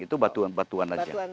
itu batuan batuan aja